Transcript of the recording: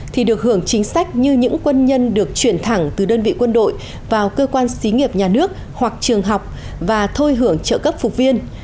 thì được hưởng chính sách như những quân nhân được chuyển thẳng từ đơn vị quân đội vào cơ quan xí nghiệp nhà nước hoặc trường học và thôi hưởng trợ cấp phục viên